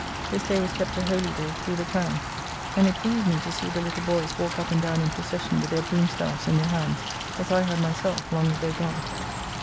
This day was kept a holy day through the town; and it pleased me to see the little boys walk up and down in procession with their broom staffs in their hands, as I had myself long ago gone.